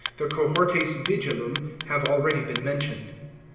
The cohortes vigilum have already been mentioned.